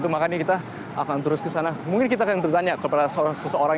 berhenti di jalan